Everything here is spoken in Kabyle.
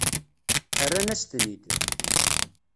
Rran-as-ten-id.